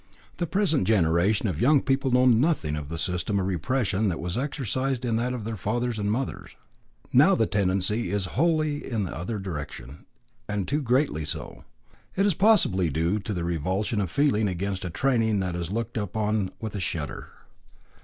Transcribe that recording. The present generation of young people know nothing of the system of repression that was exercised in that of their fathers and mothers. Now the tendency is wholly in the other direction, and too greatly so. It is possibly due to a revulsion of feeling against a training that is looked back upon with a shudder.